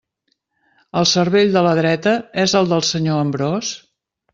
El cervell de la dreta és el del senyor Ambròs?